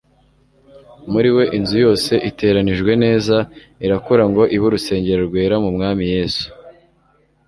muri we inzu yose iteranijwe neza, irakura ngo ibe urusengero rwera mu mwami yesu